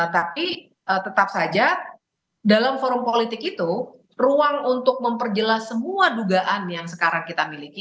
tapi tetap saja dalam forum politik itu ruang untuk memperjelas semua dugaan yang sekarang kita miliki